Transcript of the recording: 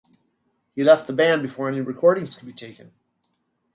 He left the band before any recordings could be taken.